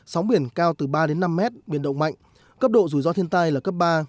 sóng biển cao từ ba đến năm mét biển động mạnh cấp độ rủi ro thiên tai là cấp ba